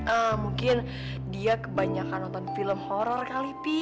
ah mungkin dia kebanyakan nonton film horror kali pi